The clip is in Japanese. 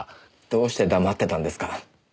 どうして黙ってたんですか？